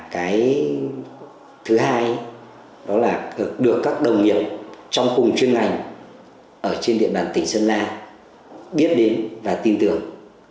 cái thứ hai đó là được các đồng nghiệp trong cùng chuyên ngành ở trên địa bàn tỉnh sơn la biết đến và tin tưởng